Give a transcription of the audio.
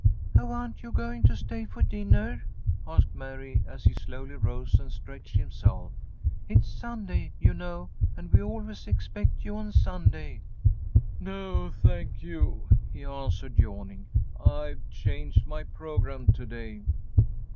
"Oh, aren't you going to stay for dinner?" asked Mary, as he slowly rose and stretched himself. "It's Sunday, you know, and we always expect you on Sunday." "No, thank you," he answered, yawning. "I've changed my programme to day."